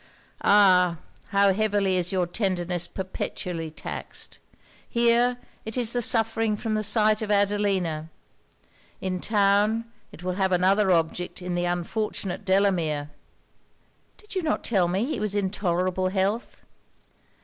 Ah! how heavily is your tenderness perpetually taxed: here, it is suffering from the sight of Adelina in town, it will have another object in the unfortunate Delamere.' 'Did you not tell me he was in tolerable health?'